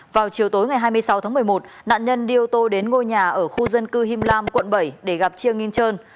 vào chiều tối ngày hai mươi sáu tháng một mươi một nạn nhân đi ô tô đến ngôi nhà ở khu dân cư him lam quận bảy để gặp chia nghi trơn